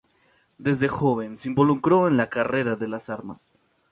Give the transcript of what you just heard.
Desde joven se involucró en la carrera de las armas.